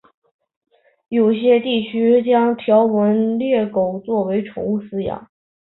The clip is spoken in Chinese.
有些地区将条纹鬣狗作为宠物饲养。